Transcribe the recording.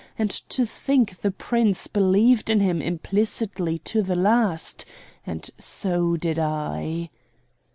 And to think the Prince believed in him implicitly to the last. And so did I."